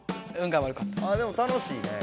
でも楽しいね。